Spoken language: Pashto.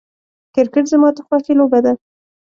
کرکټ زما د خوښې لوبه ده .